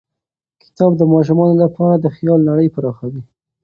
کتاب د ماشومانو لپاره د خیال نړۍ پراخوي.